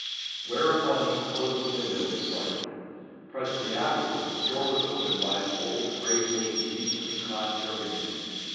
Whereupon he closed the window, and departed. Presently afterwards, the door was opened by an old, grave looking, decently clad serving man.